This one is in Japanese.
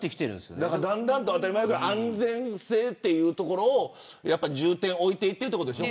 だんだんと当たり前だけど安全性というところに重点を置いていっているというところでしょ。